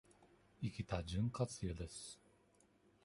生きた潤滑油です。